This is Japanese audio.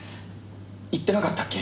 言ってなかったっけ？